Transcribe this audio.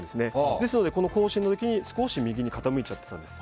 ですので、行進の時に少し右に傾いちゃってたんです。